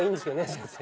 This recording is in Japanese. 先生。